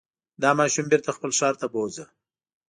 دا ماشوم بېرته خپل ښار ته بوځه.